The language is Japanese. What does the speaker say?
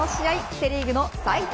セ・リーグの最多